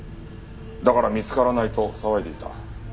だから「見つからない」と騒いでいた。